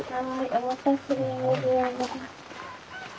お待たせ。